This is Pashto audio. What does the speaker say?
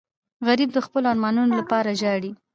غریب د خپلو ارمانونو لپاره ژاړي